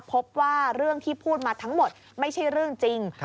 พบว่าเรื่องที่พูดมาทั้งหมดไม่ใช่เรื่องจริง